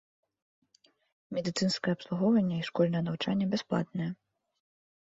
Медыцынскае абслугоўванне і школьнае навучанне бясплатныя.